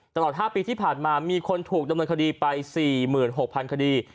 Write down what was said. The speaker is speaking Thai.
ตลอด๕ปีที่ผ่านมามีคนถูกดำเนินคดีไป๔๖๐๐คดี